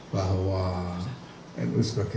bahwa nu sebagai